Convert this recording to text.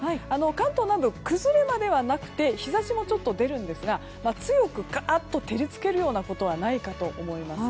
関東南部、崩れまではなくて日差しもちょっと出るんですが強くカーっと照り付けるようなことはないと思います。